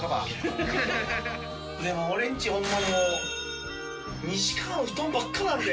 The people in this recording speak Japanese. でも俺んちホンマにもう西川の布団ばっかりになるで。